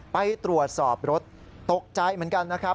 ไปตรวจสอบรถตกใจเหมือนกันนะครับ